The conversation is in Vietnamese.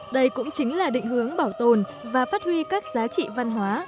đây cũng chính là định hướng bảo tồn và phát huy các giá trị văn hóa